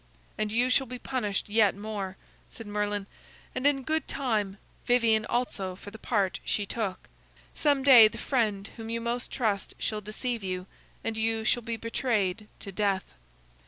"And you shall be punished yet more," said Merlin; "and in good time, Vivien also for the part she took. Some day the friend whom you most trust shall deceive you, and you shall be betrayed to death."